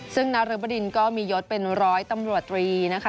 ซึ่งนรบดินก็มียศเป็นร้อยตำรวจตรีนะคะ